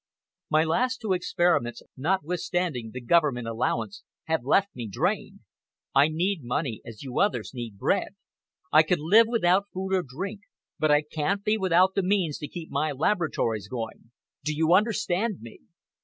My last two experiments, notwithstanding the Government allowance, have left me drained. I need money as you others need bread. I can live without food or drink, but I can't be without the means to keep my laboratories going. Do you understand me?"